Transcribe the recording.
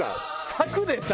柵でさ。